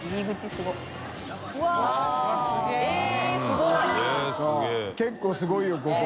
そう結構すごいよここ。